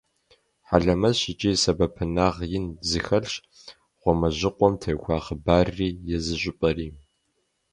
Хьэлэмэтщ икӀи сэбэпынагъ ин зыхэлъщ «Гъуамэжьыкъуэм» теухуа хъыбарри езы щӀыпӀэри.